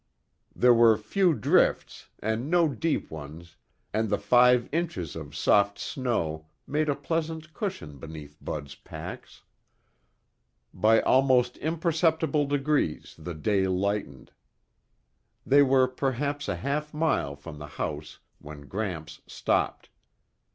There were few drifts and no deep ones, and the five inches of soft snow made a pleasant cushion beneath Bud's pacs. By almost imperceptible degrees the day lightened. They were perhaps a half mile from the house when Gramps stopped.